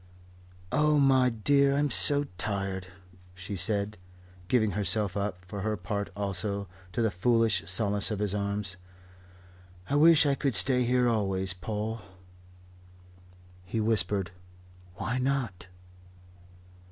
"Oh, my dear, I am so tired," she said, giving herself up, for her part also, to the foolish solace of his arms. "I wish I could stay here always, Paul." He whispered: "Why not?"